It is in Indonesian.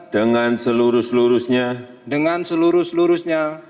dengan seluruh seluruhnya